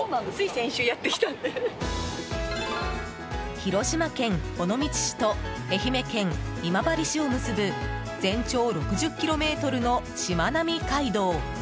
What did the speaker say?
広島県尾道市と愛媛県今治市を結ぶ全長６０ｋｍのしまなみ海道。